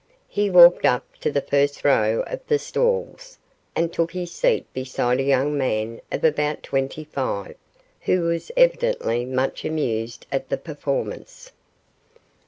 He walked up to the first row of the stalls, and took his seat beside a young man of about twenty five, who was evidently much amused at the performance.